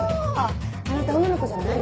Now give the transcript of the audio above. あなた女の子じゃない？